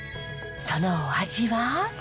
そのお味は？